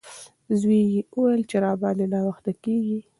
زوی یې وویل چې راباندې ناوخته کیږي.